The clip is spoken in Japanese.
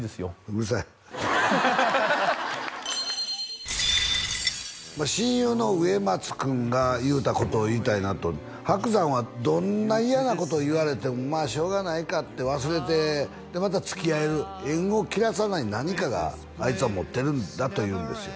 うるさい親友の植松君が言うたことを言いたいなと伯山はどんな嫌なことを言われてもまあしょうがないかって忘れてでまた付き合える縁を切らさない何かがあいつは持ってるんだと言うんですよ